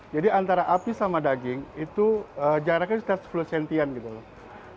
jadi antara api sama daging itu jaraknya sudah sepuluh sentian gitu loh